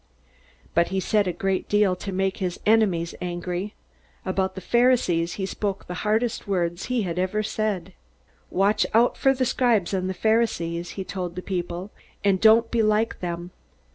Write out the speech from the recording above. But he said a great deal to make his enemies angry. About the Pharisees he spoke the hardest words he ever said. "Watch out for the scribes and the Pharisees," he told the people, "and don't be like them.